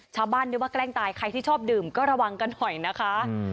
นึกว่าแกล้งตายใครที่ชอบดื่มก็ระวังกันหน่อยนะคะ